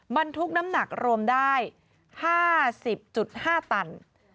บรรทุกน้ำหนักรวมได้๕๐๕ตัน